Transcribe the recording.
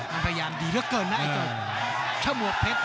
มันพยายามดีเหลือเกินนะไอ้เจ้าฉมวดเพชร